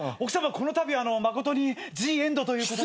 このたびは誠にジエンドということで。